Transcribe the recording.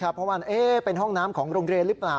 เพราะว่าเป็นห้องน้ำของโรงเรียนหรือเปล่า